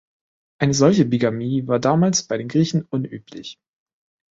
Eine solche Bigamie war damals bei den Griechen unüblich.